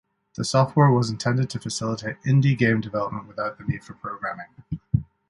The software was intended to facilitate indie game development without the need for programming.